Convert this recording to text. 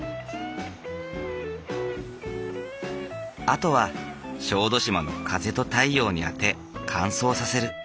あとは小豆島の風と太陽に当て乾燥させる。